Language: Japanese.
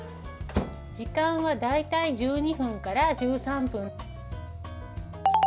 時間は大体１２分から１３分。